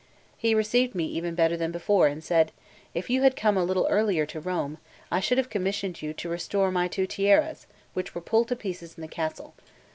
He received me even better than before, and said: "If you had come a little earlier to Rome, I should have commissioned you to restore my two tiaras, which were pulled to pieces in the castle.